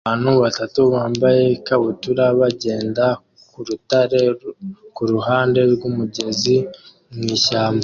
Abantu batatu bambaye ikabutura bagenda ku rutare kuruhande rwumugezi mwishyamba